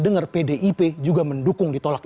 dengar pdip juga mendukung ditolak